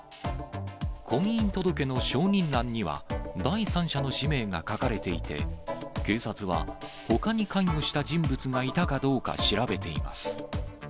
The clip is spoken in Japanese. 婚姻届の証人欄には、第三者の氏名が書かれていて、警察は、ほかに関与した人物がいたかどうか調べています。